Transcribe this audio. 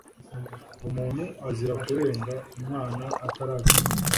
Umuntu azira kurenga umwana ataragenda,